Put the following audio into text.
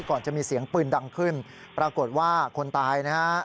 ก่อนจะมีเสียงปืนดังขึ้นปรากฏว่าคนตายนะฮะ